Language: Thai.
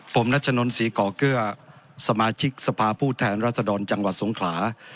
ผมนัชนนศรีก่อเกลือสมาชิกสภาพผู้แทนรัศดรจังหวัดสงขลา